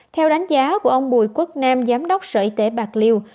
theo đánh giá của ông bùi quốc nam giám đốc sở y tế bạc liêu